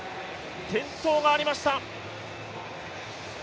転倒がありました。